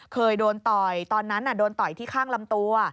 เคยโดนต่อยตอนนั้นโดนต่อยที่ข้างลำตัว